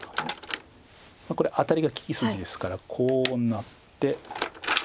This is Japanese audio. これアタリが利き筋ですからこうなって。